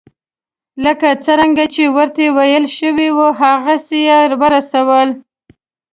لکه څرنګه چې ورته ویل شوي وو هغسې یې ورسول.